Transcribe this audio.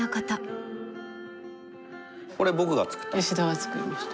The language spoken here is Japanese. これ僕が作った。